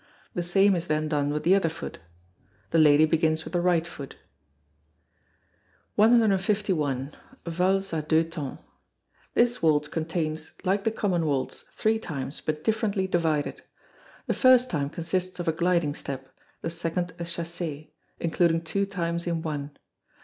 The same is then done with the other foot. The lady begins with the right foot. 151. Valse a Deux Temps. This waltz contains, like the common waltz, three times, but differently divided. The first time consists of a gliding step; the second a chassez, including two times in one.